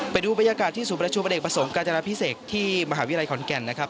ไปดูบรรยากาศที่สู่ประชุมพระเด็กประสงค์กาจาระพิเศษที่มหาวิรัยขอนแก่นนะครับ